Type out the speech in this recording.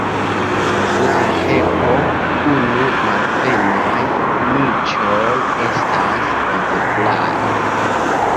Flanke po unu malplenaj niĉoj estas videblaj.